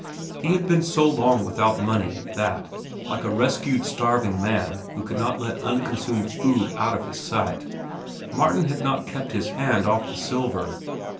He had been so long without money that, like a rescued starving man who cannot let the unconsumed food out of his sight, Martin could not keep his hand off the silver.